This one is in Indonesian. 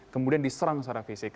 kemudian diserang secara fisik